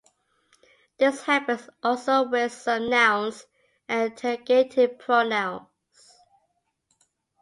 This happens also with some nouns and interrogative pronouns.